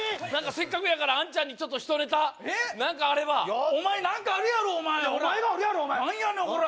せっかくやから杏ちゃんにちょっとひとネタ何かあればお前何かあるやろお前があるやろ何やねんコラ